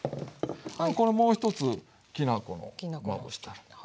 これもう一つきな粉まぶしてやると。